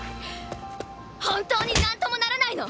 本当になんともならないの？